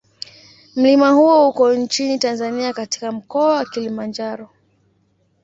Mlima huo uko nchini Tanzania katika Mkoa wa Kilimanjaro.